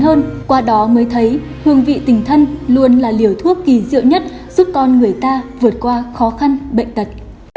hương vị tình thân luôn là liều thuốc kỳ diệu nhất giúp con người ta vượt qua khó khăn bệnh tật